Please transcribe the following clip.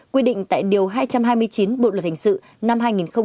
quy định tại điều hai trăm hai mươi chín bộ luật hình sự năm hai nghìn một mươi năm